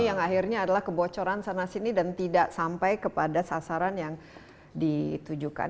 yang akhirnya adalah kebocoran sana sini dan tidak sampai kepada sasaran yang ditujukan